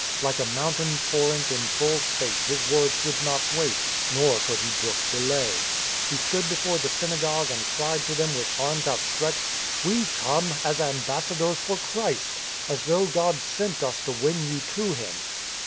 Like a mountain torrent in full spate his words would not wait, nor could he brook delay. He stood before the synagogue and cried to them with arms outstretched :" We come as ambassadors for Christ, as though God sent us to win you to Him.